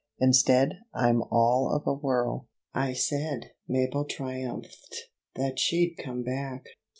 Instead, I'm all of a whirl." "I said," Mabel triumphed, "that she'd come back."